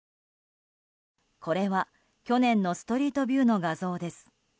これは、去年のストリートビューの画像です。